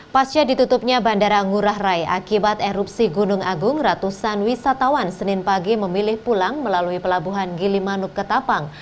pasca ditutupnya bandara ngurah rai akibat erupsi gunung agung ratusan wisatawan senin pagi memilih pulang melalui pelabuhan gilimanuk ke tapang